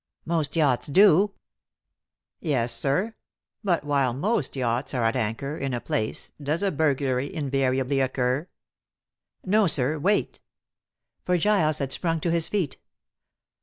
"Most yachts do." "Yes, sir. But while most yachts are at anchor in a place does a burglary invariably occur? No, sir, wait," for Giles had sprung to his feet.